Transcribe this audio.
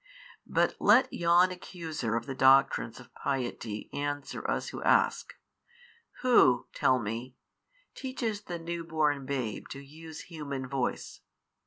But let yon accuser of the doctrines of piety answer us who ask, Who (tell me) teaches the new born babe to use human voice?